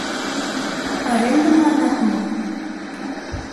— Арендым манат мо?